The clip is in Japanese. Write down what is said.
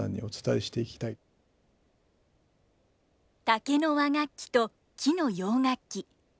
竹の和楽器と木の洋楽器。